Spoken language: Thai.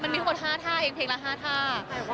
มันมีเกี่ยวหมด๕ธาตุไอ้เพลงละ๕ธาตุ